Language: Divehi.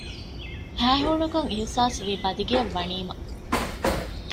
ހައިހޫނުކަން އިހްޞާސްވީ ބަދިގެއަށް ވަނީމަ